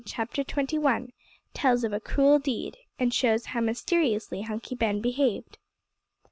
CHAPTER TWENTY ONE. TELLS OF A CRUEL DEED, AND SHOWS HOW MYSTERIOUSLY HUNKY BEN BEHAVED.